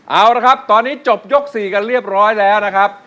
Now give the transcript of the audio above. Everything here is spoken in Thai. เอาละครับตอนนี้จบยก๔กันเรียบร้อยแล้วนะครับ